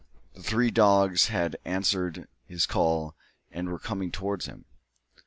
The three dogs had answered his call and were coming towards him.